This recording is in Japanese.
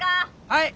はい！